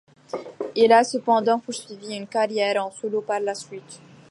Il a cependant poursuivi une carrière en solo par la suite.